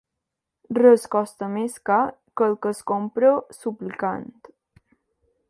Res costa més car que el que es compra suplicant.